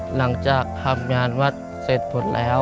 หลังจากทำงานวัดเสร็จหมดแล้ว